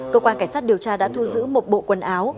cơ quan cảnh sát điều tra đã thu giữ một bộ quần áo